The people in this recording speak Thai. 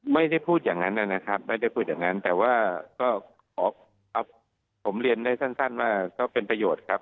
ไม่ได้พูดอย่างนั้นนะครับไม่ได้พูดอย่างนั้นแต่ว่าก็ขอผมเรียนได้สั้นว่าก็เป็นประโยชน์ครับ